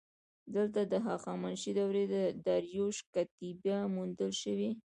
دلته د هخامنشي دورې د داریوش کتیبه موندل شوې